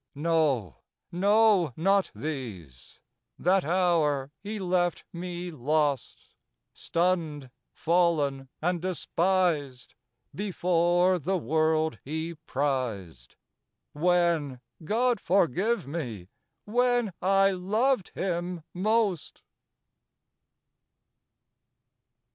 "No! no! not these! that hour he left me lost! Stunned, fallen and despised Before the world he prized, When God forgive me! when I loved him most!"